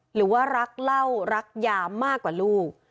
หรือว่ารักเหล้ารักยามากกว่าลูก